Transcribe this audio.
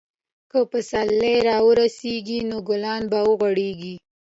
که پسرلی راورسیږي، نو ګلان به وغوړېږي.